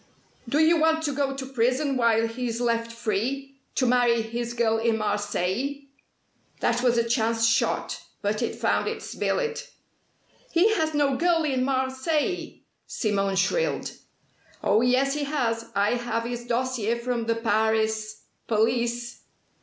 "Do you want to go to prison while he's left free to marry his girl in Marseilles?" That was a chance shot, but it found its billet. "He has no girl in Marseilles!" Simone shrilled. "Oh, yes, he has. I have his dossier from the Paris police.